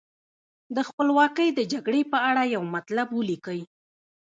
د خپلواکۍ د جګړې په اړه یو مطلب ولیکئ.